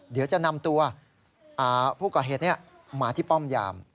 เดี๋ยวจะนำตัวผู้ก่อเหตุมาที่ป้อมยาม